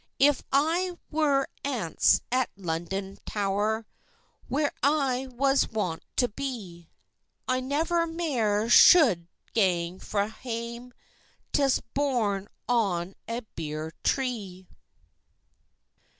"If I were ance at London Tow'r, Where I was wont to be, I never mair shou'd gang frae hame, Till borne on a bier tree."